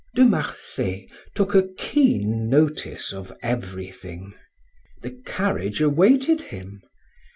De Marsay took a keen notice of everything. The carriage awaited him.